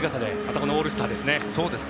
それがオールスターですね。